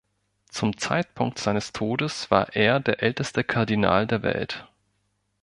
Zum Zeitpunkt seines Todes war er der älteste Kardinal der Welt.